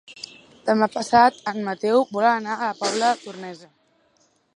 Demà passat en Mateu vol anar a la Pobla Tornesa.